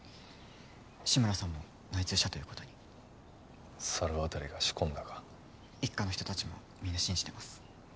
志村さんも内通者ということに猿渡が仕込んだか一課の人達もみんな信じてます